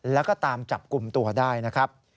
แล้วก็ตามจับกลุ่มตัวได้นะครับ